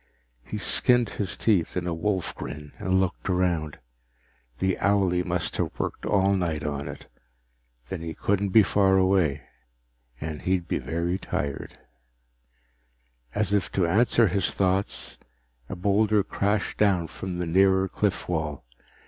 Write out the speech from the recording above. He skinned his teeth in a wolf grin and looked around. The owlie must have worked all night on it. Then he couldn't be far away and he'd be very tired As if to answer his thoughts, a boulder crashed down from the nearer cliff wall.